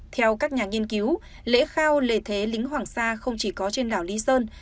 theo các nhà nghiên cứu lễ khao lễ thế lính hoàng sa không chỉ có trên đảo lý sơn